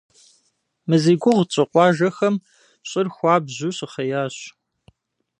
Мы зи гугъу тщӀы къуажэхэм щӀыр хуабжьу щыхъеящ.